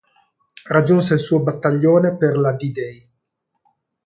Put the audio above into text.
Raggiunse il suo Battaglione per la D-day.